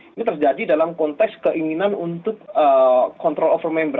ini terjadi dalam konteks keinginan untuk kontrol over member